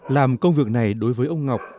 làm công việc này đối với ông ngọc